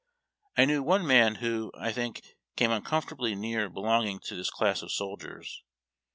I knew one man who, I thiidc, came uncomfortably near belonging to tliis class of soldiers.